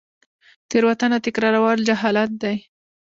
تیروتنه تکرارول جهالت دی